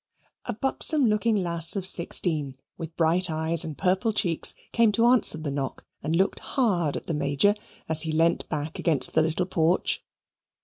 A buxom looking lass of sixteen, with bright eyes and purple cheeks, came to answer the knock and looked hard at the Major as he leant back against the little porch.